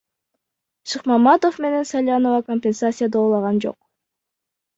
Шыкмаматов менен Салянова компенсация доолаган жок.